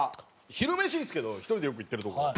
昼飯ですけど１人でよく行ってるとこ。